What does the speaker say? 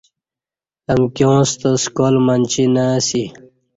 امکیاں ستہ سکال منچی نہ اسی